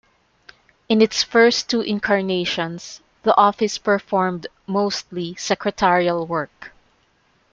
In its first two incarnations the office performed mostly secretarial work.